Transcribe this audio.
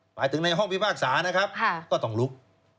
หมายถึงในห้องพิพากษานะครับก็ต้องลุก